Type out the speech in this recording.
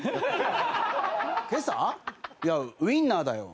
いやウィンナーだよ。